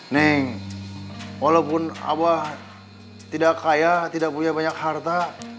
ning walaupun abah tidak kaya tidak punya banyak harta